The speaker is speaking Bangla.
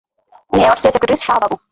উনি ওয়ার্ড সি এর সেক্রেটারি, শাহ্ বাবু।